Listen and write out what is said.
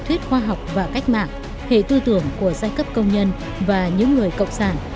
thuyết khoa học và cách mạng hệ tư tưởng của giai cấp công nhân và những người cộng sản